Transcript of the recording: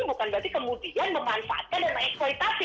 dan berarti kemudian memanfaatkan dan mengeksploitasi